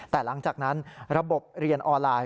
แต่หลังจากนั้นระบบเรียนออนไลน์